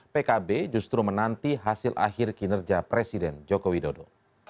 pkb justru menanti hasil akhir kinerja presiden joko widodo